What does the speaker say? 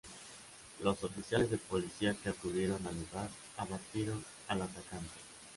Los oficiales de policía que acudieron al lugar abatieron al atacante.